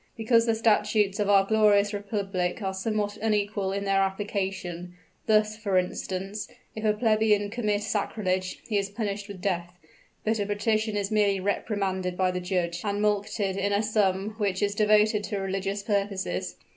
Because the statutes of our glorious Republic are somewhat unequal in their application; thus, for instance, if a plebeian commit sacrilege, he is punished with death; but a patrician is merely reprimanded by the judge and mulcted in a sum which is devoted to religious purposes.